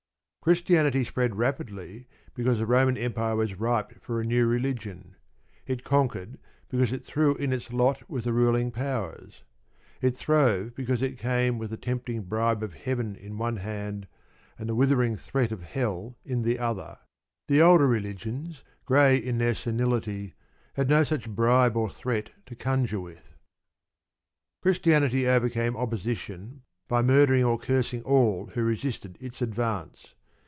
Christianity spread rapidly because the Roman Empire was ripe for a new religion. It conquered because it threw in its lot with the ruling powers. It throve because it came with the tempting bribe of Heaven in one hand, and the withering threat of Hell in the other. The older religions, grey in their senility, had no such bribe or threat to conjure with. Christianity overcame opposition by murdering or cursing all who resisted its advance.